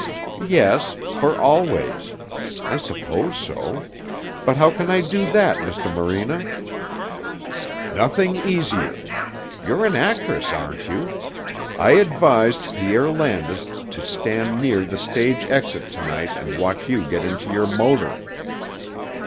"Yes. For always. I suppose so. But how can I do that, Mr. Morena?" "Nothing easier. You're an actress, aren't you? I advised Pierre Landis to stand near the stage exit to night and watch you get into your motor."